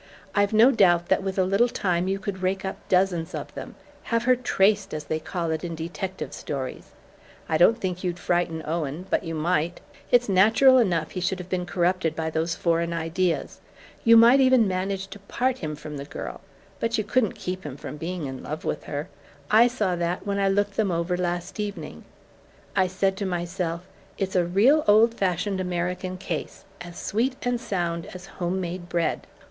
I've no doubt that with a little time you could rake up dozens of them: have her 'traced', as they call it in detective stories. I don't think you'd frighten Owen, but you might: it's natural enough he should have been corrupted by those foreign ideas. You might even manage to part him from the girl; but you couldn't keep him from being in love with her. I saw that when I looked them over last evening. I said to myself: 'It's a real old fashioned American case, as sweet and sound as home made bread.